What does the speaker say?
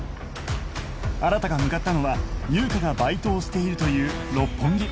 新が向かったのは優香がバイトをしているという六本木